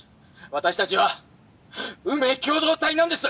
私たちは運命共同体なんです！」。